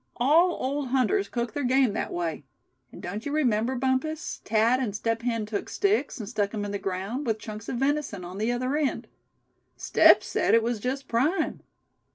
All old hunters cook their game that way. And don't you remember, Bumpus, Thad and Step Hen took sticks, and stuck 'em in the ground, with chunks of venison on the other end. Step said it was just prime.